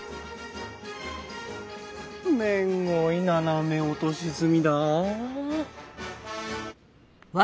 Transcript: めんごい斜め落とし積みだあ。